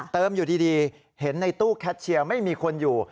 อยู่ดีเห็นในตู้แคชเชียร์ไม่มีคนอยู่